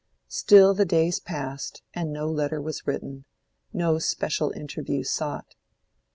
Still the days passed and no letter was written, no special interview sought.